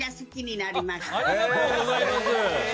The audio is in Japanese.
ありがとうございます。